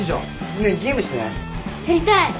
ねえゲームしない？やりたい。